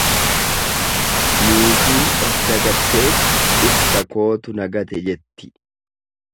Niitiin of dagattee dhirsa kootu na gate jetti.